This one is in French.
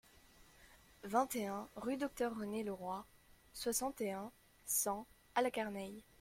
vingt et un rue Docteur René Leroy, soixante et un, cent à La Carneille